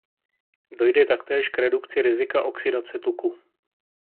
Dojde taktéž k redukci rizika oxidace tuku.